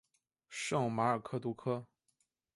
圣马尔克杜科。